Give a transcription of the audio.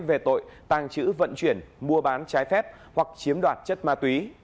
về tội tàng trữ vận chuyển mua bán trái phép hoặc chiếm đoạt chất ma túy